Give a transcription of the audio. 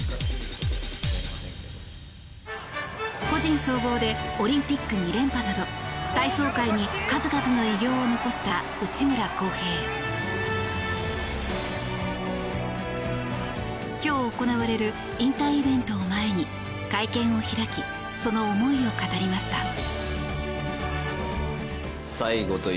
個人総合でオリンピック２連覇など体操界に数々の偉業を残した内村航平。今日行われる引退イベントを前に会見を開きその思いを語りました。